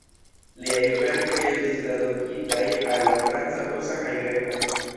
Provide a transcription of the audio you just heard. Liaj verkoj estis tradukitaj al la franca, rusa kaj greka.